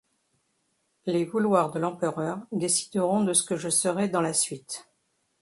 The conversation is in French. Les vouloirs de l’empereur décideront de ce que je serai dans la suite.